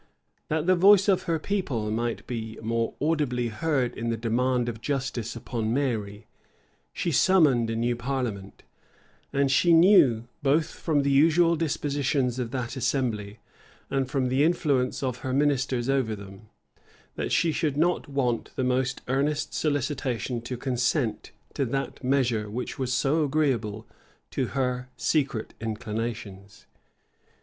That the voice of her people might be more audibly heard in the demand of justice upon Mary, she summoned a new parliament; and she knew, both from the usual dispositions of that assembly, and from the influence of her ministers over them, that she should not want the most earnest solicitation to consent to that measure which was so agreeable to her secret inclinations.